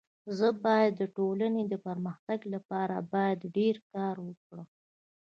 زه بايد د ټولني د پرمختګ لپاره باید ډير کار وکړم.